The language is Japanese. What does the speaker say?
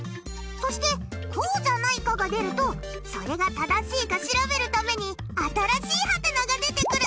そしてこうじゃないかが出るとそれが正しいか調べるために新しいハテナが出てくる。